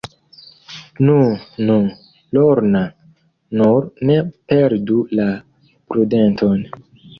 Nu, nu, Lorna, nur ne perdu la prudenton.